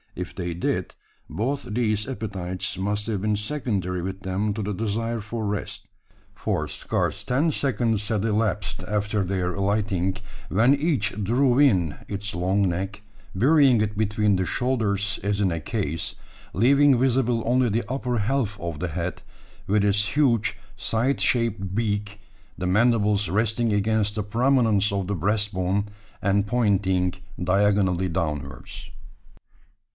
If they did, both these appetites must have been secondary with them to the desire for rest; for scarce ten seconds had elapsed after their alighting, when each drew in its long neck, burying it between the shoulders as in a case, leaving visible only the upper half of the head, with its huge scythe shaped beak the mandibles resting against the prominence of the breast bone, and pointing diagonally downwards.